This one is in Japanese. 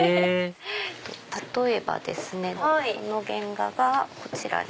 例えばですね原画がこちらに。